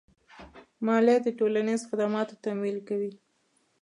مالیه د ټولنیزو خدماتو تمویل کوي.